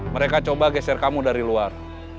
mereka coba geser kamu dari luar